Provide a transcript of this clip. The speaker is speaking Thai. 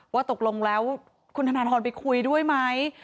ว่าตกลงแล้วคุณธนทรไปคุยด้วยไหม